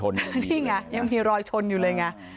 นี่ไงยังมีรอยชนอยู่เลยไง